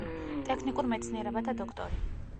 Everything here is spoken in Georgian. ტექნიკურ მეცნიერებათა დოქტორი.